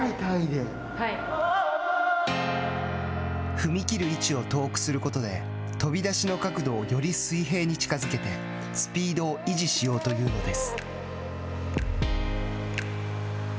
踏み切る位置を遠くすることで飛び出しの角度をより水平に近づけてスピードを維持しようというのです。